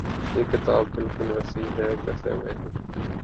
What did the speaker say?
یہ کتاب بالکل ویسی ہے جیسی میری